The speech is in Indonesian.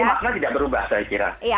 tapi makna tidak berubah saya kira